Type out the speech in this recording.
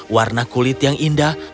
warna kulit yang indah